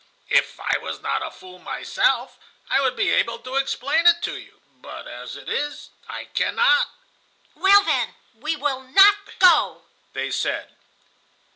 If I was not a fool myself I would be able to explain it to you, but as it is I cannot." "Well, then, we will not go," they said.